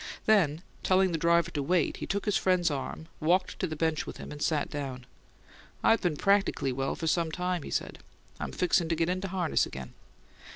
Then, telling the driver to wait, he took his friend's arm, walked to the bench with him, and sat down. "I been practically well for some time," he said. "I'm fixin' to get into harness again."